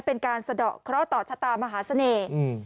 เป็นการสะดอกเคราะห์ต่อชะตามหาเสน่ห์